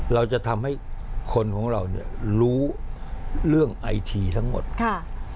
เราจะทำให้คนของเราเนี่ยรู้เรื่องไอทีทั้งหมดค่ะ